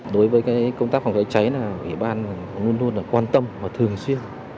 đối với công tác phòng cháy cháy là ủy ban luôn luôn quan tâm và thường xuyên